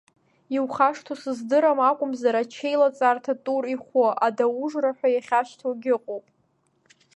Иухашҭу сыздырам акәымзар, ачеи лаҵарҭа Тур ихәы, Адаужра ҳәа иахьашьҭоугьы ыҟоуп!